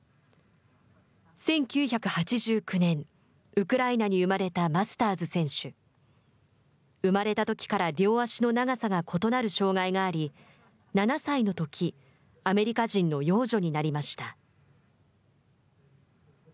１９８９年、ウクライナに生まれたマスターズ選手。生まれたときから両足の長さが異なる障害があり７歳のときアメリカ人の養女になりました。